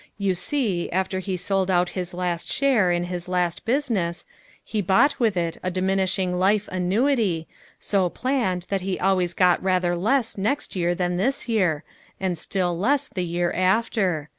You see after he sold out his last share in his last business he bought with it a diminishing life annuity, so planned that he always got rather less next year than this year, and still less the year after.